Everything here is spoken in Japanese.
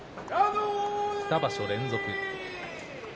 ２場所連続。